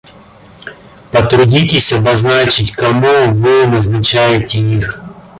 Потрудитесь обозначить, кому вы назначаете их?